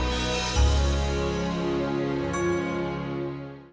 kita tunggu di sini aja kalau begitu